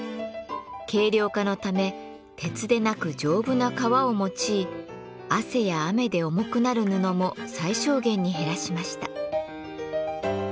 軽量化のため鉄でなく丈夫な革を用い汗や雨で重くなる布も最小限に減らしました。